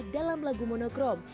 dalam lagu monokrom